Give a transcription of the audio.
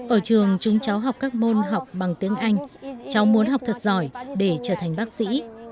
ở trường chúng cháu học các môn học bằng tiếng anh cháu muốn học thật giỏi để trở thành bác sĩ